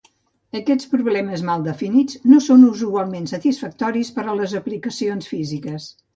Aquests problemes mal definits no són usualment satisfactoris per a les aplicacions físiques.